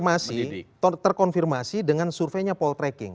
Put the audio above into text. jadi gini ini terkonfirmasi dengan surveinya paul tracking